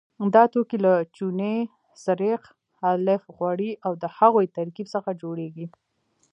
دا توکي له چونه، سريښ، الف غوړي او د هغوی ترکیب څخه جوړیږي.